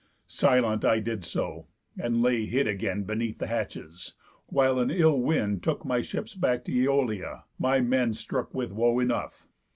Silent, I did so, and lay hid again Beneath the hatches, while an ill wind took My ships back to Æolia, my men strook With woe enough.